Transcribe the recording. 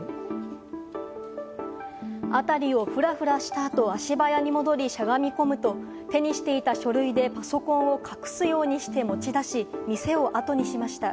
辺りをフラフラした後、足早に戻りしゃがみ込むと、手にしていた書類でパソコンを隠すようにして持ち出し、店をあとにしました。